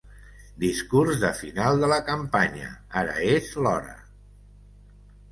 Discurs de final de la campanya ‘Ara és l’hora’